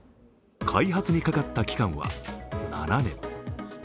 開発にかかった期間は７年。